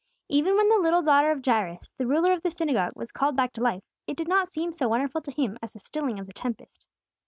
Even when the little daughter of Jairus, the ruler of the synagogue, was called back to life, it did not seem so wonderful to him as the stilling of the tempest.